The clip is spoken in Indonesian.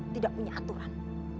tidak punya aturan